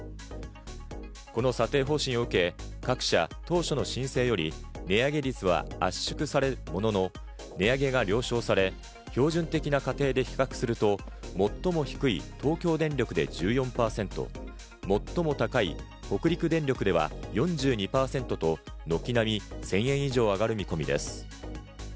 この査定方針を受け、各社当初の申請より値上げ率は圧縮されるものの、値上げが了承され、標準的な家庭で比較すると、最も低い東京電力で１４％、最も高い北陸電力では４２％と軒並み１０００円以上、上がる見込みです。